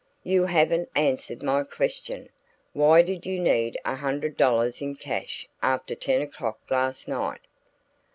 "You haven't answered my question. Why did you need a hundred dollars in cash after ten o'clock last night?"